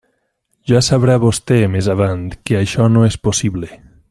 Ja sabrà vostè més avant que això no és possible.